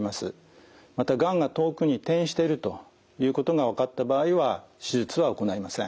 またがんが遠くに転移しているということが分かった場合は手術は行えません。